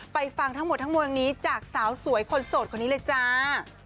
ฟังทั้งหมดทั้งมวลนี้จากสาวสวยคนโสดคนนี้เลยจ้า